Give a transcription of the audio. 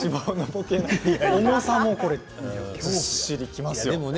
重さもずっしりきますね。